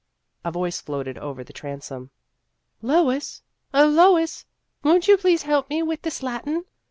A voice floated over the transom :" Lois, oh, Lois ! won't you please help me with this Latin